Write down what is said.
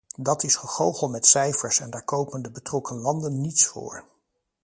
Dat is gegoochel met cijfers, en daar kopen de betrokken landen niets voor.